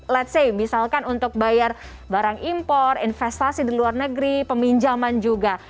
let's say misalkan untuk bayar barang impor investasi di luar negeri peminjaman juga